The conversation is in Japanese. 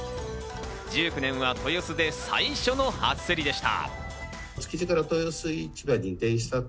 １９年は豊洲で最初の初競りでした。